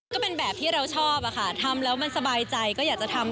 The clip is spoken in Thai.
ก็เป็นแบบที่เราชอบอะค่ะทำแล้วมันสบายใจก็อยากจะทำ